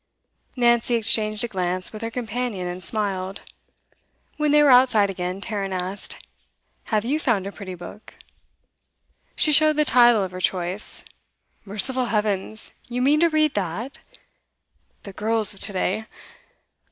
Nancy exchanged a glance with her companion and smiled. When they were outside again Tarrant asked: 'Have you found a pretty book?' She showed the title of her choice. 'Merciful heavens! You mean to read that? The girls of to day!